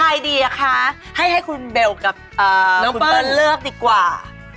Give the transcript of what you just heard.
อะไรดีอะคะให้คุณเบลกับน้องเบิ้ลเลือกดีกว่า